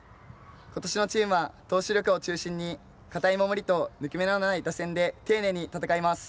今年のチームは投手力を中心に堅い守りと、抜け目のない打線で丁寧に戦います。